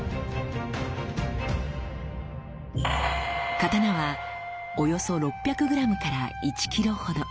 刀はおよそ６００ｇ１ｋｇほど。